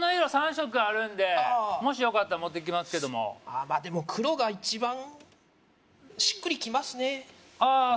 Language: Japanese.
３色あるんでもしよかったら持ってきますけどもまあでも黒が一番しっくりきますねああ